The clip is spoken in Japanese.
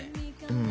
うん。